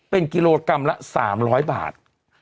เป็นกิโลกรัมละ๓๐๐บาท